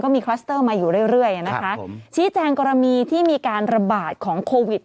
มีคลัสเตอร์มาอยู่เรื่อยนะคะชี้แจงกรณีที่มีการระบาดของโควิด